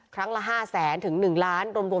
ครั้งละ๕แสนถึง๑ล้านรวม